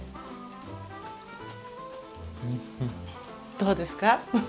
どうですか？